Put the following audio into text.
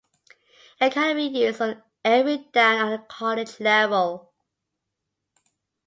It cannot be used on every down at the college level.